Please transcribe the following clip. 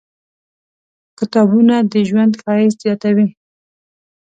کتابونه د ژوند ښایست زیاتوي.